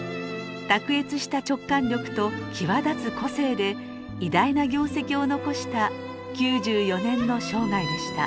卓越した直感力と際立つ個性で偉大な業績を残した９４年の生涯でした。